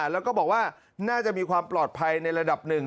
แล้วก็บอกว่าน่าจะมีความปลอดภัยในระดับหนึ่ง